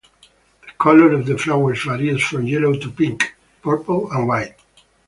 The colour of the flowers varies from yellow to pink, purple and white.